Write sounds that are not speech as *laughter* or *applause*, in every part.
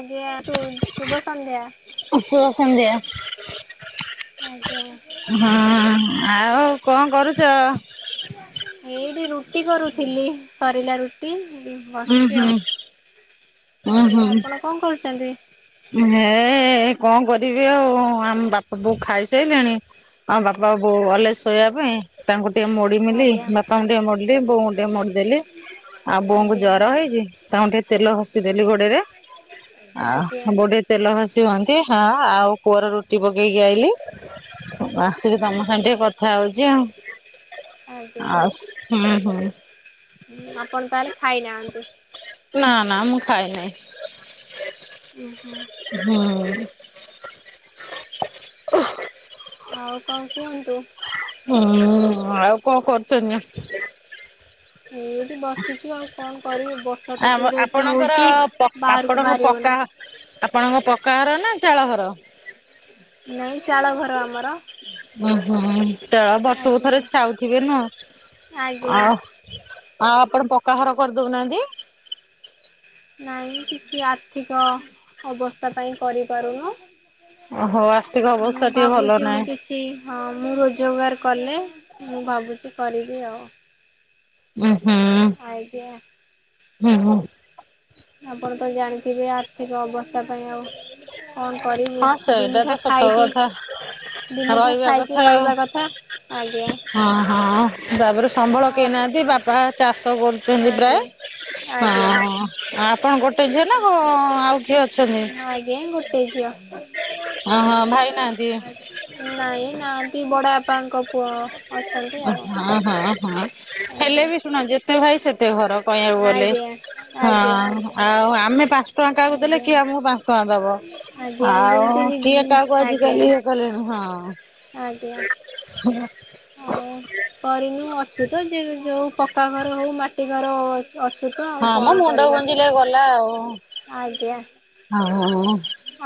ଆଜ୍ଞ ତୁ ଶୁଭ ସନ୍ଧ୍ୟା। ସୁୁଭ ଆଜ୍ଞା ସନ୍ଧ୍ୟା। ହଁ ଆଉ କଣ କରୁଚ? ଏଇଠି ରୁଟି କରୁଥିଲି ସରିଲା ରୁଟି ଉଁ ବସି ହୁଁ ଆଉ। ଉଁ ହୁଁ। ଆଜ୍ଞା ଆପଣ କଣ କରୁଚନ୍ତି? ହେ କଣ କରିବି ଆଉ ଆମ ବାପ ବୋ ଖାଇସାଇଲେଣି। ଆଉ ବାପା ବୋଉ ଗଲେ ଶୋଇଆ ପାଇଁ। ତାଙ୍କୁ ଟିକେ ମୋଡି ମିଲି ଆଜ୍ଞା ବାପାଙ୍କୁ ଟିକେ ମୋଡିଲି ବୋଉଙ୍କୁ ଟିକେ ମୋଡିଦେଲି। ଆଉ ବୋଉଙ୍କୁ ଆଜ୍ଞା ଜ୍ୱର ହେଇଛି ତାଙ୍କୁ ଟିକି ତେଲ ଘସିଦେଲି ଗୋଡ଼ରେ। ଆଜ୍ଞ। ରେ ତେଲ ଭସି ହୁଅନ୍ତି ହଁ ଆଉ କୁଅର ରୁଟି ପକେଇକି ଆଇଲି। ଆସିକି ତମ ସାଙ୍ଗେ ଆଜ୍ଞା ଟିକେ କଥା ହଉଚି ଆଉ ଆ ହୁଁ ହୁଁ। ଉଁ ଆପଣ ତାହେଲେ ଖାଇନାହାନ୍ତି। ନା ନା ମୁଁ ଖାଇ ନାହିଁ। ଉଁ ହୁଁ। ହୁଁ। ଆଉ କଣ କୁହନ୍ତୁ? ହୁଁ ଆଉ କଣ କରୁଚନ୍ତି? ଏଇଠି ବସିଛୁ ଆଉ କଣ କରିବି ବ ଆ ଆମ ଆପଣଙ୍କର ପକ୍ ଆପଣଙ୍କର ବାହାରି ହଉନି। ପକ୍କା ଆପଣଙ୍କ ପକ୍କା ଘର ନା ଚାଳ ଘର? ନାଇଁ ଚାଳ ଘର ଆମର। ଉଁ ହୁ ଚାଳ ବର୍ଷକୁ ଆଜ୍ଞା ଥରେ ଛାଉଥିବେ ନୁହଁ ଆଜ୍ଞା। ଆଉ। ଆଉ ଆପଣ ପକ୍କାଘର କରିଦଉନାହାନ୍ତି। ନାଇଁ କିଛି ଆର୍ଥିକ ଅବସ୍ଥା ପାଇଁ କରିପାରୁନୁ। ଓହୋ ଆସ୍ଥିକ ଅବସ୍ଥା ଟିକେ ଭଲ ନାହିଁ। ଟି ହଁ ମୁଁ ରୋଜଗାର କଲେ ମୁଁ ଭାବୁଛି କରିବି ଆଉ। ଉ ହୁଁ। ଆଇଡିଆ। ହୁଁ ହୁଁ। ଆପଣ ତ ଜାଣିଥିବେ ଆର୍ଥିକ ଅବସ୍ଥା ପାଇଁ ଆଉ କଣ କରିବୁ ହଁ ସେଇଟା ତ ଦିମୁଠା ସତ ଖାଇକି କଥା ଦିମୁଠା ରହିବା କଥା ଖାଇକି ଆଉ। ରହିବା କଥା ଆଜ୍ଞା। ହଁ ହଁ ତାପରେ ଅ ସମ୍ବଳ କେହିନାହାନ୍ତି ଆଜ୍ଞା ବାପା ଚାଷ କରୁଚନ୍ତି ପ୍ରାୟ ଆଜ୍ଞା। ହଁ ଆପ ଣ ଗୋଟେ ଝିଅ ନା କ ଆଉ କିଏ ଅଛନ୍ତି? ଆଜ୍ଞା ଗୋ ଟେ ଝିଅ ଓହୋ ଭାଇ ନାହାନ୍ତି ନାଇଁ ନାନ୍ତି ବଡାଆ ପାଙ୍କ ପୁଅ। ଅଛନ୍ତି ଆଉ ହଁ ହଁ ହଁ। ହେଲେ ଆଜ୍ଞା। ବି ଶୁଣ ଯେତେ ଭାଇ ସେତେ ଘର କହିବାକୁ ଗଲେ ଆଜ୍ଞା ଆଜ୍ଞା ଆଜ୍ଞା ହଁ ଆଉ ଆମେ ପା ଞ୍ଚ ଟଙ୍କା କାହାଆ କୁ ଦେଲେ ଆଜ୍ଞା କିଏ ଆମକୁ ପାଞ୍ଚ ଟଙ୍କା ଦବ। ଆଜ୍ଞା ଆଉ ଯେମିତି ନି କିଏ କାହାକୁ ଆଜିିକାଲି ଇଏ କଲେଣି ହଁ। ଆ ହଁ *unintelligible* ଆଉ କରିନୁ ଅଛୁ ତ ଯିଏ ଯୋଉ ପକ୍କା ଘର ହଉ ମାଟି ଘର ହଉ ଆ। ଅଛୁ ତ ଆଉ ହଁ ମୋ କଣ ମୁଣ୍ଡ କରିବା ଗୁଞ୍ଜିଲେ ଆଜ୍ଞା। ହୁଁ ହୁଁ ହୁଁ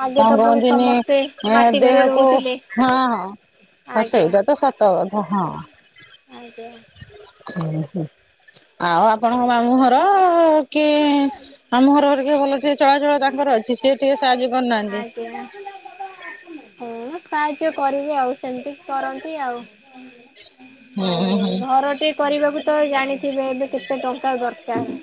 ଆଗେ କଣ ତ ପୁଣି କହନ୍ତିନି ସମସ୍ତେ ଏ ମାଟି ଘରେ ଦେହକୁ ରହୁଥିଲେ ହଁ ହଁ। ହଁ ଆଜ୍ଞା ସେଇଟା ତ ସତ କଥା ହଁ। ଆଜ୍ଞା। ଓହୋ ଆଉ ଆପଣଙ୍କ ମାମୁଁ ଘର କି। ମାମୁଁଘର ଘର ପରିକା ଭଲ ଟିକେ ଚଳାଚଳ ତାଙ୍କର ଅଛି ସିଏ ଟିକେ ସାହାଯ୍ୟ କରିନାହାନ୍ତି। ହୁଁ ସାହାଯ୍ୟ କରିବେ ଆଉ ସେମିତି କରନ୍ତି ଆଉ। ହୁଁ ହଉ ହୁଁ ହୁଁ ଘର ଟିକେ କରିବାକୁ ତ ଜାଣିଥିବେ ଏବେ କେତେ ଟଙ୍କା ଦରକାର।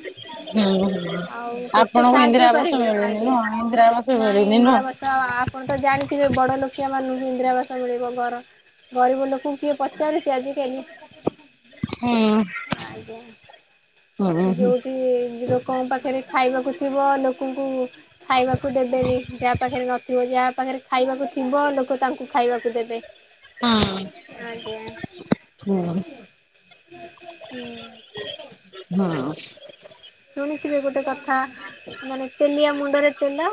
ହୁଁ। ଆଉ କେତେ ଆପଣଙ୍କୁ ସାହାଯ୍ୟ ଇନ୍ଦିରା ଆବାସ କରିବେ ମିଳୁନି ଆଜ୍ଞା। ନୁହଁ ଇନ୍ଦିରା ଆବାସ ନାଇଁ ମିଳିନି ଇନ୍ଦିରାବାସ ନୁହଁ। ଆପଣ ତ ଜାଣିଥିବେ ବଡ଼ ଲୋକିଆ ମାନଙ୍କୁ ଇନ୍ଦିରା ଆବାସ ମିଳିବ ଘର। ଗରିବ ଲୋକଙ୍କୁ କିଏ ପଚାରୁଛି ଆଜି କାଲି। ହୁଁ ଆଜ୍ଞା। ହୁଁ ହୁଁ। ଯୋଉଠି ଲୋକଙ୍କ ପାଖରେ ଖାଇବାକୁ ଥିବ ଲୋକଙ୍କୁ। ଖାଇବାକୁ ଦେବେନି ଯାହା ପାଖରେ ନଥିବ ଯାହା ପାଖରେ। ଖାଇବାକୁ ଥିବ ଲୋକ ତାଙ୍କୁ ଖାଇବାକୁ ଦେବେ। ଆଜ୍ଞା ହୁଁ ହୁଁ। ହୁଁ। ହୁଁ। ଶୁଣିଥିବେ ଗୋଟେ କଥା। ମାନେ ତେଲିଆ ମୁଣ୍ଡରେ ତେଲ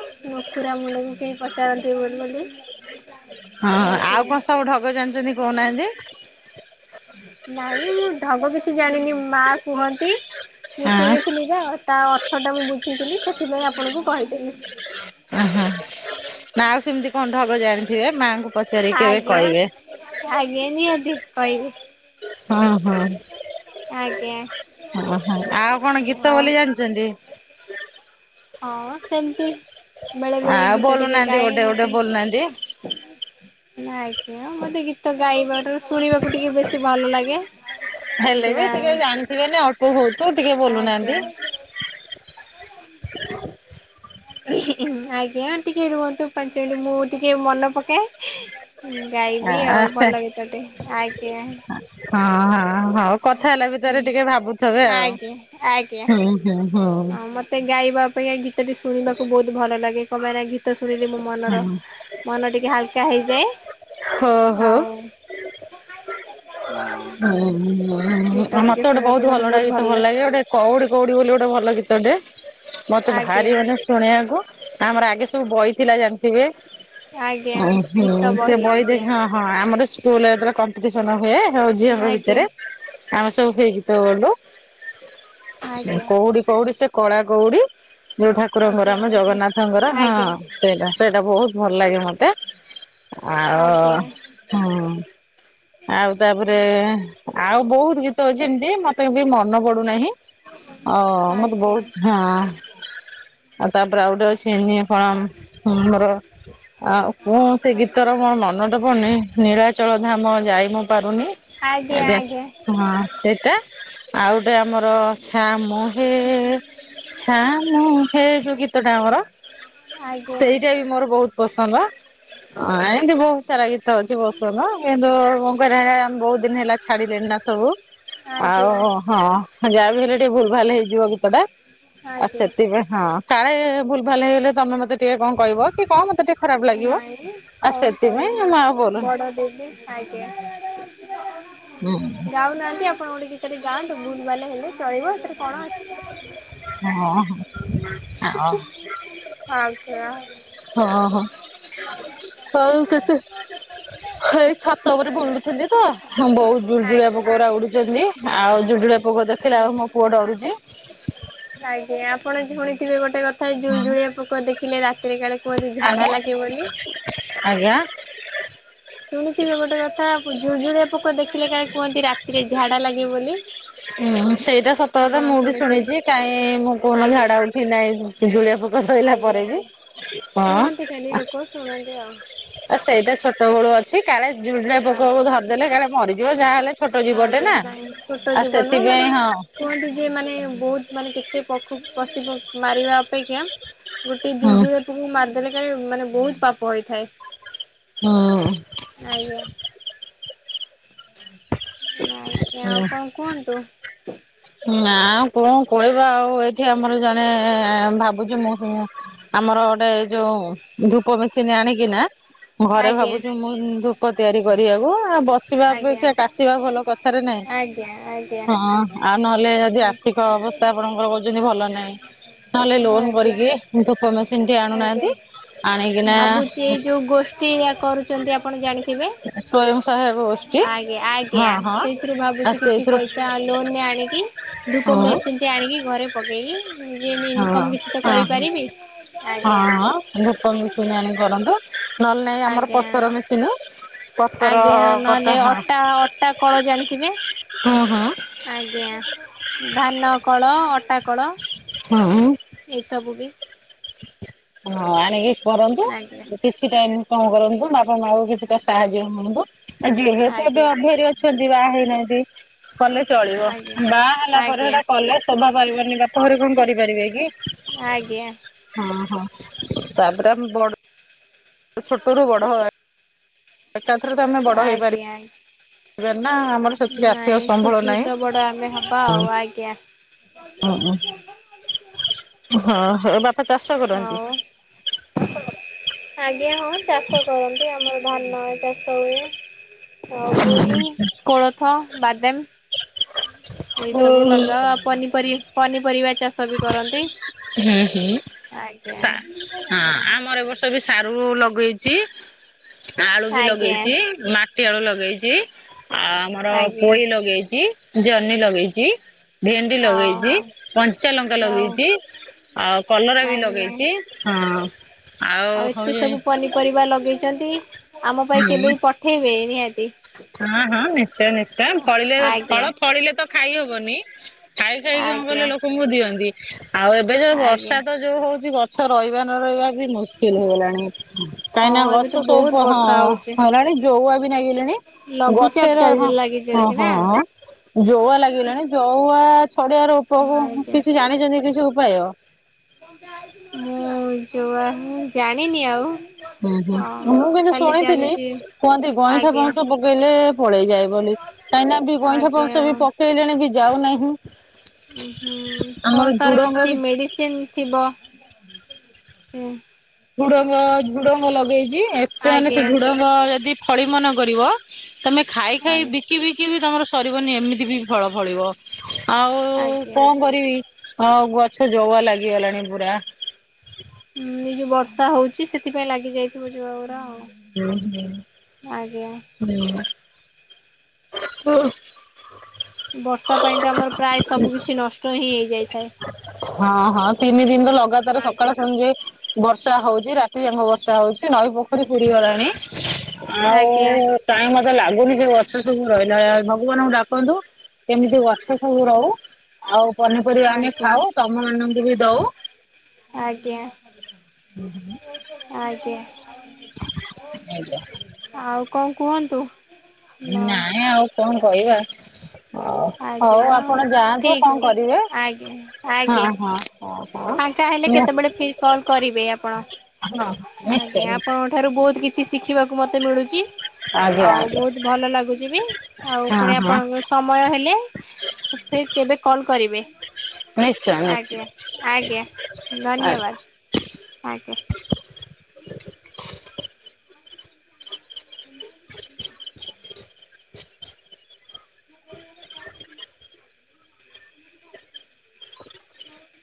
ଖୁରା ମୁଣ୍ଡକୁ କେହି ପଚାରନ୍ତିନି ବୋଲି ବୋଲି। ହଁ ଆଉ ଆଜ୍ଞା। କଣ ସବୁ ଢଗ ଜାଣିଛନ୍ତି କହୁନାହାନ୍ତି। ନାଇଁ ମୁଁ ଢଗ କିଛି ଜାଣିନି ମା କୁହନ୍ତି ମୁଁ ହଁ ଶୁଣିଥିଲି। ଯା ତା ଅର୍ଥଟା ମୁଁ ବୁଝିଥିଲି ସେଥିପାଇଁ ଆପଣଙ୍କୁ କହିଦେଲି। ଉଁ ହୁଁ ମା ଆଉ ସେମିତି କଣ ଢଗ ଜାଣିଥିବେ ମାଙ୍କୁ- - ଆଜ୍ଞା ଆଜ୍ଞା ନିହାତି କହିବି। ହୁଁ ହୁଁ ଆଜ୍ଞା। ହୁଁ ହୁଁ ଆଉ କଣ ଗୀତ ଆଉ ବୋଲି ଜାଣି ଚନ୍ତି। ହଁ ସେମତି, ବେଳେ ବେଳେ ଆଉ ଗୀତ ଟିକେ ବୋଲୁନାହାନ୍ତି ଗୋଟେ ଗାଏ ଗୋଟେ ମତେ - - ବୋଲୁନାହାନ୍ତି। ନା ଆଜ୍ଞା ମତେ ଗୀତ ଗାଇବାଠୁ ଶୁଣିବାକୁ ଟିକେ ବେଶୀ ଭଲ ଲାଗେ। ହେଲେ କାହିଁକି ନା ବି ଟିକେ ଜାଣିଥିବେନି ଅଳ୍ପ ବହୁତୁ ଟିକେ ଆଜ୍ଞା। ବୋଲୁନାହାନ୍ତି। ଆଜ୍ଞା ଟିକେ ରୁହନ୍ତୁ ପାଞ୍ଚ ମିନିଟ ମୁଁ ଟିକେ ମନେ ପକାଏ। ହୁଁ ଗାଇବି ଆ ଆଉ ସେ ଭଲ ଗୀତ ଟେ ଆଜ୍ଞା। ହଁ ହଁ ହଉ କଥା ହେଲା ଭିତରେ ଟିକେ ଭାବୁଥିବେ ହୁଁ ଆଉ। ଆଜ୍ଞା ଆଜ୍ଞା। ହୁଁ ହୁଁ ହୁଁ। ହଁ ମତେ ଗାଇବା ଅପେକ୍ଷା ଏଇ ଗୀତ ଟି ଶୁଣିବାକୁ ବହୁତ୍ ଭଲ ଲାଗେ। କଂ ପାଇଁ ନା ଗୀତ ଶୁଣିଲେ ମୁଁ - - ମନର ହୁଁ ମନ ଟିକେ ହାଲ୍‌କା ହୋ ହେଇଯାଏ। ହୋ। ଆଉ ଗୀତ ହୁଁ ଟିକେ ମତେ ଗୋଟେ ଶୁଣିବା ପାଇଁ ବହୁତ ମତେ ଭଲଟା ଗୀତ ଭଲ ଲାଗେ ଗୋଟେ। କଉଡି କଉଡି ବୋଲି ଗୋଟେ ଭଲ ଗୀତ ଟେ ମତେ ଭାରି ଆଜ୍ଞା। ମାନେ ସେ ଶୁଣିବାକୁ। ଆମର ଆଗେ ସବୁ ବହି ଥିଲା ଜାଣିଥିବେ। ଆଜ୍ଞା ଓ ଗୀତ ହଁ ସେ ବହି ଆଜ୍ଞା ଦେଖା ହଁ ହଁ ଆମର ସ୍କୁଲ କମ୍ପିଟିସନ ହୁଏ ହଉ ସବୁ ଝିଅଙ୍କ ଭିତରେ *inaudible* ଆମେ ସବୁ ହେଇ ଗୀତ ଆଜ୍ଞା। ବୋଲୁ--କଉଡ଼ି କଉଡ଼ି ସେ କଳା କଉଡ଼ି ଯୋଉ ଠାକୁରଙ୍କର ଆଜ୍ଞା ଆମ ଜଗନ୍ନାଥଙ୍କର ଆଜ୍ଞା ଆଜ୍ଞା ଆଜ୍ଞା। ହଁ- - ସେଇଟା ସେଇଟା ବହୁତ ଭଲ ଲାଗେ ମୋତେ। ଆଜ୍ଞା ଆଜ୍ଞା ଆଉ ହ ଆଉ ତାପରେ, ଆଉ ବହୁତ ଗୀତ ଅଛି ଏମତି ମତେ ବି ମନେ ପଡୁନାହିଁ। ହ ମତେ ବହୁତ ହାଁ ଆଉ ତା ଉପରେ ଆଉ ଗୋଟେ ଅଛି ୟୁନିଫର୍ମ ହାମର ଆଉ କୁଣ ସେ ଗୀତର ମୋ ମନଟ ପଡ଼ିନି ନୀଳାଚଳ ଧାମ ଯାଇ ମୁଁ ପାରୁନି ଆଜ୍ଞା ହ ସେଟା ଆଉ ଗୋଟେ ଆମ ର ଛାମୁ ହେ ଛାମୁ ହେ ଯୋଉ ଗୀତ ଟା ଆମର ସେଇଟା ଆଜ୍ଞା ବି ମୋର ବହୁତ ପସନ୍ଦ ଏଇତି ବହୁତ ସାରା ଗୀତ ଅଛି ପସନ୍ଦ କିନ୍ତୁ ମୁଁ କରିଆ ଆମେ ବହୁତ ଦିନ ହେଲା ଛାଡିଲେଣି ନା ସବୁ ଆଉ ଆଜ୍ଞା ହଁ ଯାହା ବିି ହେଲେ ଟିକେ ଭୁଲ୍ ଭାଲ୍ ହେଇଯିବ ଗୀତ ଟା ଆଉ ଆଜ୍ଞା। ସେଥିପାଇଁ ହଁ କାଳେ ଭୁଲ୍ ଭାଲ୍ ହେଇଗଲେ ତମେ ମତେ ଟିକେ କଣ କହିବ କି କଣ ମତେ ଟି ଖରାପ ଲାଗିବ, ନାଇଁ ଉ ସେଥିପାଇଁ ମୁଁ ଆଉ ବୋଲୁନି। ଦିଦି ଆଜ୍ଞା। ହୁଁ, ହୁଁ। ଗାଉନାହାନ୍ତି ଆପଣ ଗୋଟେ ଗୀତରେ ଗାଆନ୍ତୁ। ଭୁଲ୍ ଭାଲ୍ ହେଲେ ଚଳିବ ଏଥିରେ କଣ ଅଛି। ହଁ, ହଁ ଅ *unintelligible* ହଁ, ହଁ ହଉ କେତେ ହେଇ ଛାତ ଉପରେ ଆଜ୍ଞା। ବୁଲୁଛନ୍ତି ତ? ବହୁତ୍ ଜୁଳୁଜୁଳିଆ ପୋକ ଗୁରା ଉଡୁଚନ୍ତି। ଆଉ ଜୁଜୁଳିଆ ପୋକ ଦେଖିଲେ ଆଉ ମୋ ପୁଅ ଡରୁଚ଼ି। ଆଜ୍ଞା ଆପଣ ଝୁଣିଥିବେ ଗୋଟେ କଥା ଜୁଳୁଜଳିଆ ପୋକ ଦେଖିଲେ ରାତିରେ କାଳେ କୁହନ୍ତି ଆଜ୍ଞା ଝାଡ଼ା ଲାଗେ ବୋଲି। ଆଜ୍ଞା ଶୁଣିଥିବେ ଗୋଟେ କଥା ଜୁଳୁଜୁଳିଆ ପୋକ ଦେଖିଲେ କାଳେ କୁହନ୍ତି ରାତିରେ ଝାଡ଼ା ଲାଗିବ ବୋଲି। ହୁଁ ସେଇଟା ସତ କଥା ଆପଣ ମୁଁ ବି ଶୁଣିଥିବେ ଶୁଣିଛି କାଇଁ ମୁଁ କୋଉ ଦିନ ଆଜ୍ଞା ଝାଡା ଉଠି ନାଇ ଝୁଳିଆ ପୋ ଆଜ୍ଞା, କୁହନ୍ତି ଖାଲି ଲୋକ ଶୁଣନ୍ତି ଆଉ। ଆ ସେଇଟା ଛୋଟ ବେଳୁ ଅ ଛି କାଳେ ଜୁଳୁଜୁଳିଆ ପୋକକୁ ଆଜ୍ଞା। ଧରିଦେଲେ କାଳେ ମରିଯିବ ଯାହାହେଲେ ଛୋଟ ଜିବଟେ ଆଜ୍ଞା ନା। ନାଇଁ ଛୋଟ ଆ ଜୀବ ନୁହଁ ମାନେ ସେଥିପାଇଁ ହଁ କୁହନ୍ତି ଯେ ମାନେ ବହୁତ୍ ମାନେ କେତେ ପକ୍ଷୁ ପଶୁ ପକ୍ଷୀ ମାରିବା ଅପେକ୍ଷା ଗୋଟେ ହୁଁ ଜୁଳୁଜୁଳିଆ ପୋକକୁ ମାରିଦେଲେ କାଳେ ମାନେ ବହୁତ୍ ପାପ ହେଇଥାଏ। ହଁ। ଆଜ୍ଞା। ଆଜ୍ଞା, ହୁଁ ଆଉ କଣ କୁହନ୍ତୁ? ନା ଆଉ କଣ କହିବା ଆଉ ଏଇଠି ଆମର ଜଣେ ଭାବୁଚୁ ମୁଁ ଆମର ଗୋଟେ ଯୋଉ ଧୂପ ମେସିନ୍ ଆଣିକି ନା ଘରେ ଆଜ୍ଞା ଭାବୁଚୁ ମୁଁ ଧୂପ ତିଆରି କରିବାକୁ ଆ ବସିବା ଆଜ୍ଞା। ଆଜ୍ଞା ଅପେକ୍ଷା କାଶିବା ଭଲ କଥାରେ ନାଇଁ *unintelligible* ଆଜ୍ଞା ଆଜ୍ଞା। ନହେଲେ ଯଦି ଆର୍ଥିକ ଅବସ୍ଥା ଆପଣଙ୍କର କହୁଛନ୍ତି ଭଲ ନାହିଁ। ନହେଲେ ଲୋନ୍ ଆଜ୍ଞା। କରିକି ଧୂପ କମେସିନିଟି ଆଜ୍ଞା ଆଣୁନାହାନ୍ତି ଆଣିକିନା ଟିଆ କରୁଚନ୍ତି ଆପଣ ଜାଣିଥିବେ? ସ୍ଵୟଂ ସହାୟକ ଗୋଷ୍ଠୀ ଆଜ୍ଞା ହଁ ଆଜ୍ଞା ହଁ ସେଇଥିରୁ ଆଉ ଭାବୁଚି କିଛି ସେଇଥିରୁ ପଇସା ଲୋନରେ ଆଣିକି ଧୂପ ହଁ ମେସିନ୍ ଟେ ଆଣିକି ଘରେ ପକେଇକି ନିଜେ ଏଇନେ ହଁ ଇନିକମ୍ କିଛିତ ହଁ କରିପାରିବି। ଆଜ୍ଞା। ହଁ ଧୂପ ମେସିନି ଆଣିି କରନ୍ତୁ ନହେଲେ ନାଇଁ ଆମର ଆଜ୍ଞା। ପତର ମେସିିନି ଆଜ୍ଞା ନହେଲେ ଅଟା ଅଟା କଳ ଜାଣିଥିବେ। ହୁଁ ହୁଁ। ଆଜ୍ଞା ଧାନ କଳ ଅଟା କଳ। ହୁଁ ଉଁ ଏସବୁ ବି ହଁଅଁ ଆଣିକି କରନ୍ତୁ ଆଜ୍ଞା ଯଦି କିଛିଟା ଇନକମ୍ କରନ୍ତୁ ବାପା ମାଆଙ୍କୁ କିଛିଟା ସାହାଯ୍ୟ କରନ୍ତୁ। ଯେହେତୁ ଏବେ ଆଜ୍ଞା ଆଜ୍ଞା ଅଭିଆରିଅ ଅଛନ୍ତି ବାହା ହେଇନାହାଁନ୍ତି କଲେ ଚଳିବ। ଆଜ୍ଞା ବାହା ହେଲା ପରେ ହେଟା କଲେ ସୋଭା ପାଇବନି ବାପଘରେ କଣ କରିପାରିବେକି? ଆଜ୍ଞା। ହଁ ହଁ ତାପରେ ଆମେ ବଡ଼ ଛୋଟ ରୁ ବଡ଼ ହବା ଏକାଥରେତ ଆମେ ବଡ଼ ହେଇପାରିବ ନାହିଁ ଆର୍ଥିକ ନାଇଁ ସମ୍ବଳ ନାହିଁ। ଛୋଟରୁତ ବଡ଼ ଆମେ ହବା ଆଉ ଆଜ୍ଞା। ଓହୋ ହଁ ହଁ ବାପ ଆଉ ଆଜ୍ଞା ହଁ ଚାଷ କରନ୍ତିଆମର ଧାନ ଚାଷ ହୁଏ। ଆଉ ହୁଁ ବିରି କୋଳଥ ବାଦାମ ଏଇସବୁ ହୁଁ ଲଗାଅ ଆପ ପନିପରି ପନିପରିବା ଚାଷ ବି କରନ୍ତି। ହୁଁ ହୁଁ ଆଜ୍ଞା ସା ହଁ ଆମର ଏ ବର୍ଷ ଏବେସାରୁ ଲଗେଇଚି ଆଳୁ ବି ଆଜ୍ଞା ଲଗେଇଚି ମା ମାଟି ଆଳୁ ଲଗେଇଚି ଆ ଆମର ଆଜ୍ଞା ପୋଇ ଲଗେଇଚି ଜହ୍ନି ଲଗେଇଚି। ଭେଣ୍ଡି ହଉ ଲଗେଇଚି କଞ୍ଚା ଲଙ୍କା ଆଉ ଲଗେଇଚି। ଆଉ କଲରା ବି ଆଜ୍ଞା ଲଗେଇଚି ହ ଆଉ ଏତେ ହଉ ସବୁ ପନିପରିବା ଲଗେଇଚନ୍ତି ଆମ ପାଇଁ କେବେ ହୁଁ। ପଠେଇବେ ନିହାତି। ହଁ ହଁ ନିଶ୍ଚୟ ନିଶ୍ଚୟ ଫଳିଲେ ଆଜ୍ଞା ଫଳ ଫଳିଲେ ତ ଖାଇ ହବନି ଖାଇ ଖାଇକି କଣ କଇଲେ ଆଜ୍ଞା। ଲୋକଙ୍କୁ ଦିଅନ୍ତି ଆଉ ଏବେ ଯୋଉ ଆଜ୍ଞା ବର୍ଷା ତ ଯୋଉ ହଉଚି ଗଛ ରହିବା ନ ରହିବା ବି ମୁସୁ କିଲ୍ ହେଇଗଲାଣି ହଁ କାହିଁକିନା ଏବେ ତ ଗଛ ବହୁତ ସବୁ ହଁ ବର୍ଷା ହଉଛି। ହେଲାଣି ଜଉଆ ବି ନାଗିଲାଣି। ଲଘୁଚାପ ଗଛର ଚାଲି ହ ଲାଗିଛି ଅଛି ନା ହଁ ହଁ ଜଉଆ ଲାଗି ଗଲାଣି ଜଉଆ ଛଡେଇବାର ଉପ ଆଜ୍ଞା। କିଛି ଜାଣିଛନ୍ତି କିଛି ଉପାୟ? ମୁଁ ଯୁଆ ହିଁ ଜାଣିନି ଆଉ। ହୁଁ ହୁଁ ହଁ ମୁଁ କିନ୍ତୁ ଖାଲି ଶୁଣିଥିଲି ଜାଣିଛି କୁହନ୍ତି ଗଇଁଠା ଆଜ୍ଞା ପଁସ ପକେଇଲେ ପଳେଇ ଯାଏ ବୋଲି କାହିଁକିନା ବି ଗଇଁଠା ଆଜ୍ଞା ଫଉଁସ ବି ପକେଇଲେଣି ବି ଯାଉନାହିଁ। ହୁଁ ଆମର କଣ ତାର ଝୁଡଙ୍ଗ କିଛି ବି ମେଡି ସିନ ଥିବ। ଝୁଡଙ୍ଗ ଝୁଡଙ୍ଗ ଲଗେଇଚି ଏତେ ମାନେ ସେ ଆଜ୍ଞା ଝୁଡଙ୍ଗ ଯଦି ଫଳି ମନ କରିବ ତମେ ଖାଇ ଆ ଖାଇ ବିକି ବିକି ବିି ତମର ସରିବନି ଏମିତି ବି ଫଳ ଫଳିବ। ଆଉ ଆଜ୍ଞା କଣ କରିବି ଆଉ ଗଛ ଜବା ଲାଗିଗଲାଣି ପୁରା। ହଁ ଏ ଯୋଉ ବର୍ଷା ହଉଛି ସେଥିପାଇଁ ଲାଗି ଯାଇ ଠକୁ ଯିବା ପରା ଆଉ ଆଜ୍ଞା। ହିଁ। ହଁ। ବର୍ଷା ପାଇଁ ତ ଆମର ପ୍ରାୟ ସବୁ କିଛି ନଷ୍ଟ ହିଁ ହେଇଯାଇଥାଏ। ହଁ ହଁ ତିନି ଦିନ୍ ତ ଲଗାତାର ସକାଳ ଆଜ୍ଞା ସଞ୍ଜ ଯାଏ। ବର୍ଷା ହଉଛି ରାତି ଯାଙ୍କ ବର୍ଷା ହଉଛି ନଈ ପୋଖରୀ ପୁରି ଗଲାଣି। ଆଉ। ଆଜ୍ଞା କାଇଁ ମତେ ଲାଗୁନି ସେ ଗଛ ସବୁ ରହିଲା ଭଳିଆ ଭଗବାନଙ୍କୁ ଡାକନ୍ତୁ। କେମିତି ଗଛ ସବୁ ରହୁ ଆଉ ପନିପରିବା ଆମେ ଆଜ୍ଞା ଖାଉ ତମ ମାନଙ୍କୁ ବି ଦଉ। ଆଜ୍ଞା। ହୁଁ ଆଜ୍ଞା ଆଜ୍ଞା ଆଉ କଣ କୁହନ୍ତୁ? ନା ନାଇଁ ଆଉ କଣ କହିବା? ଆଜ୍ଞା ଆଉ ଠିକ ଅଛି କରିବେ ଆଜ୍ଞା ହଁ ଆଜ୍ଞା। ହଁ। ଫାଙ୍କା ହେଲେ ମୁଁ କେତେବେଳେ ଫିର୍ କଲ୍ କରିବେ ଆପଣ। ହଁ ନିଶ୍ଚୟ। ଆଜ୍ଞା ଆପଣଙ୍କ ଠାରୁ ବହୁତ୍ କିଛି ଶିଖିବାକୁ ମତେ ମିଳୁଛି। ଆଜ୍ଞା ଆଉ ଆଜ୍ଞା ବହୁତ୍ ଭଲ ଲାଗୁଛି ବି ଆଉ ହଁ ପୁଣି ହଁ ଆପଣଙ୍କ ସ ମୟ ହେଲେ ଫିର୍ କେବେ କଲ୍ କରିବେ। ନିଶ୍ଚୟ ନିଶ୍ଚୟ ଆଜ୍ଞା ଆଜ୍ଞା ଆଜ୍ଞା। ଧନ୍ୟବାଦ୍ ଆଜ୍ଞା। *unintelligible* *unintelligible* *unintelligible* *unintelligible*